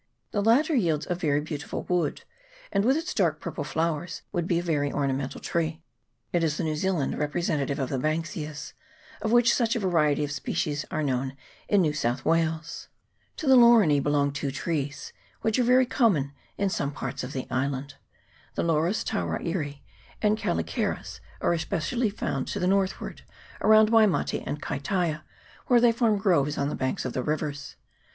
The latter yields a very beautiful wood, and with its dark purple flowers would be a very ornamental tree. It is the New Zealand representative of the Banksias, of which such a variety of species are known in New South Wales. To the Laurinece belong two trees, which are very com mon in some parts of the island. The Laurus tarairi and calicaris are especially found to the northward, around Waimate and Kaitaia, where they form groves on the banks of rivers.